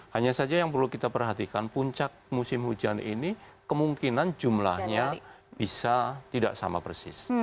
hanya saja yang perlu kita perhatikan puncak musim hujan ini kemungkinan jumlahnya bisa tidak sama persis